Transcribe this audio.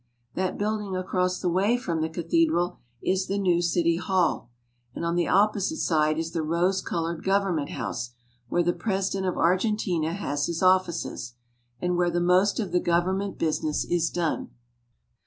That building across the way from the cathedral is the new city hall, and on the opposite side is the rose colored government house, where the president of Argentina has his offices, and where the most of the government business is done.